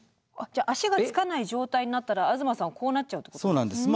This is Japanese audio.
じゃあ足が着かない状態になったら東さんはこうなっちゃうってことですか。